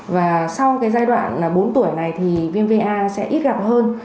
và sau giai đoạn bốn tuổi này viêm va sẽ ít gặp hơn